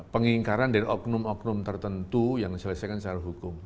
pengingkaran dari oknum oknum tertentu yang diselesaikan secara hukum